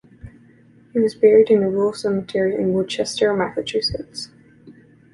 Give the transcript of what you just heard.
He is buried in Rural Cemetery in Worcester, Massachusetts.